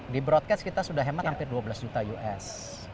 di broadcast kita sudah hemat hampir dua belas juta us